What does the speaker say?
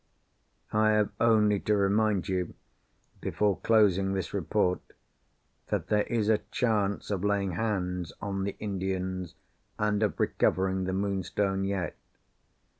I have only to remind you, before closing this Report, that there is a chance of laying hands on the Indians, and of recovering the Moonstone yet.